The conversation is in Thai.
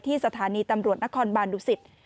สถานีตำรวจนครบานดุสิต